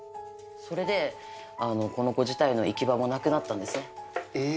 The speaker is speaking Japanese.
それで、この子自体の行き場もなくなったんですね。